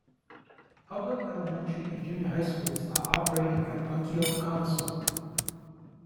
Public elementary and junior high schools are operated by Bunkyo council.